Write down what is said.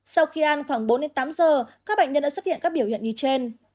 sau khi ăn khoảng bốn tám h các bệnh nhân đã xuất hiện các biểu hiện như trên